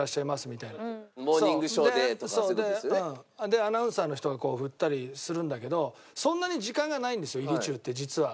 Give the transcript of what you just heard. でアナウンサーの人がこう振ったりするんだけどそんなに時間がないんですよ入中って実は。